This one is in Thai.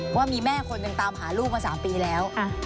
ว่ามีแม่คนหนึ่งตามหาลูกมา๓ปีแล้ว